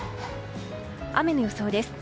雨の予想です。